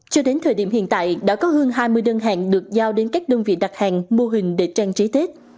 cho đến thời điểm hiện tại đã có hơn hai mươi đơn hàng được giao đến các đơn vị đặt hàng mô hình để trang trí tết